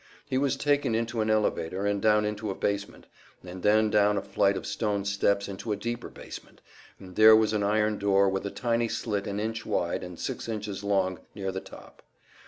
He was taken into an elevator, and down into a basement, and then down a flight of stone steps into a deeper basement, and there was an iron door with a tiny slit an inch wide and six inches long near the top.